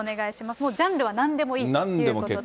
もうジャンルはなんでもいいということで。